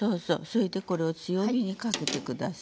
それでこれを強火にかけて下さい。